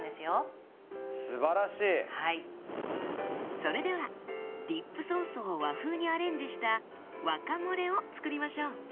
それではディップソースを和風にアレンジした和カモレを作りましょう。